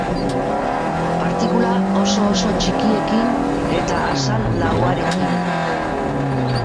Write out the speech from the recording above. Partikula oso-oso txikiekin eta azal lauarekin.